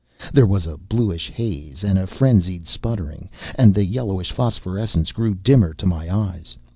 There was a bluish haze and a frenzied sputtering, and the yellowish phosphorescence grew dimmer to my eyes.